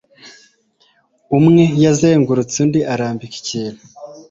Umwe yazungurutse undi arambika ikintu